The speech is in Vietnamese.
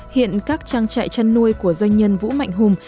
hiện các trang trại chăn nuôi của doanh nhân vũ mạnh hùng